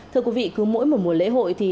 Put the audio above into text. thưa quý vị cứ mỗi một mùa lễ hội